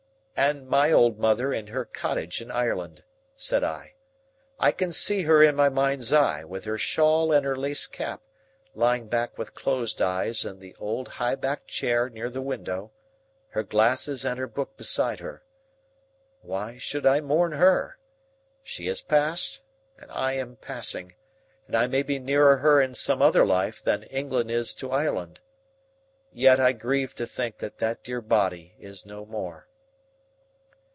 "And my old mother in her cottage in Ireland," said I. "I can see her in my mind's eye, with her shawl and her lace cap, lying back with closed eyes in the old high backed chair near the window, her glasses and her book beside her. Why should I mourn her? She has passed and I am passing, and I may be nearer her in some other life than England is to Ireland. Yet I grieve to think that that dear body is no more."